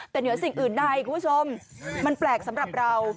แต่เหนือสิ่งอื่นใดคุณผู้ชมมันแปลกสำหรับเรา